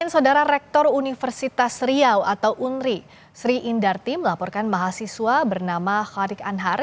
saudara rektor universitas riau atau unri sri indarti melaporkan mahasiswa bernama kharik anhar